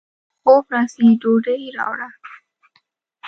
خوب راځي ، ډوډۍ راوړه